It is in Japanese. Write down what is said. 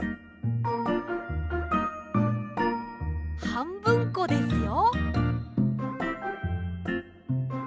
はんぶんこですよ。